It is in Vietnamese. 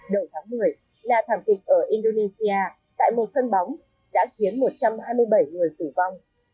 đầu tháng một mươi là thảm kịch ở indonesia tại một sân bóng đã khiến một trăm hai mươi bảy người tử vong